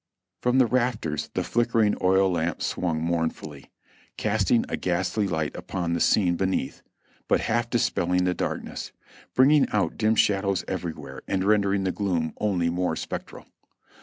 From the rafters the flickering oil lamp swung mournfully, casting a ghastly light upon the scene beneath, but half dispelling the darkness, bringing out dim shadows everywhere and render ing the gloom only more spectral.